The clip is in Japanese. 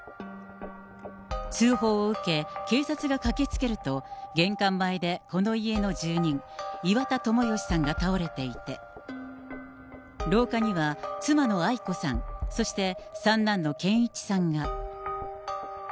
通報を受け、警察が駆けつけると、玄関前で、この家の住人、岩田友義さんが倒れていて、廊下には妻のアイ子さん、そして三男の健一さんが。